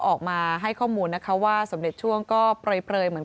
ออกมาให้ข้อมูลนะคะว่าสมเด็จช่วงก็เปลยเหมือน